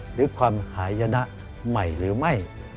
หรือความหายนะใหม่หรือไม่